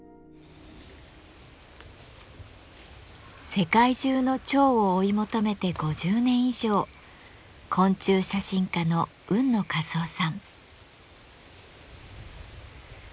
世界中の蝶を追い求めて５０年以上昆虫写真家の海野和男さん。